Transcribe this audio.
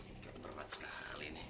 ini cukup berat sekali nih